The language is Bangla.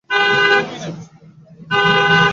কিন্তু শুধু সিদ্ধান্তে উপনীত হইলে চলিবে না।